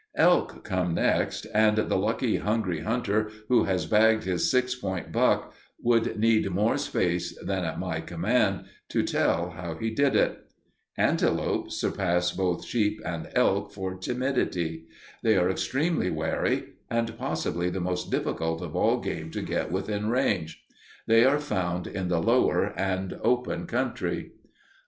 Elk come next, and the lucky hungry hunter who has bagged his "six point" buck would need more space than at my command to tell how he did it. Antelope surpass both sheep and elk for timidity. They are extremely wary and possibly the most difficult of all game to get within range. They are found in the lower and open country.